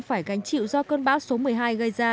phải gánh chịu do cơn bão số một mươi hai gây ra